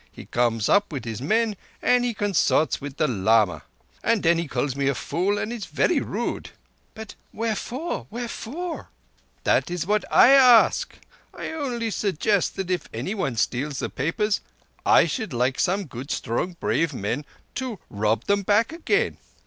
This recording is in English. He comes up with his men and he consorts with the lama, and then he calls me a fool, and is very rude—" "But wherefore—wherefore?" "That is what I ask. I only suggest that if anyone steals the papers I should like some good strong, brave men to rob them back again.